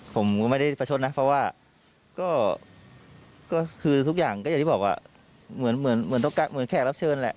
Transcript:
ผมก็ไม่ได้ประชดนะเพราะว่าก็คือทุกอย่างก็อย่างที่บอกว่าเหมือนแค่รับเชิญแหละ